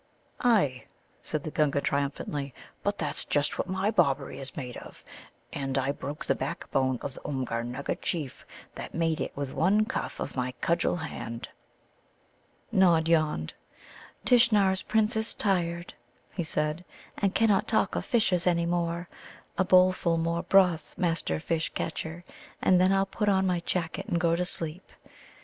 "Ay," said the Gunga triumphantly, "but that's just what my Bobberie is made of, and I broke the backbone of the Oomgar nugga chief that made it with one cuff of my cudgel hand." Nod yawned. "Tishnar's Prince is tired," he said, "and cannot talk of fishes any more. A bowlful more broth, Master Fish catcher, and then I'll just put on my jacket and go to sleep."